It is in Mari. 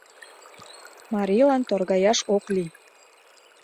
Марийлан торгаяш ок лий.